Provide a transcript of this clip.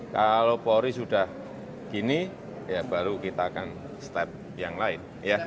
kalau polri sudah gini ya baru kita akan step yang lain